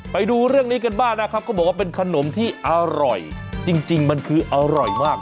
ไปดูเรื่องนี้กันบ้างนะครับเขาบอกว่าเป็นขนมที่อร่อยจริงมันคืออร่อยมาก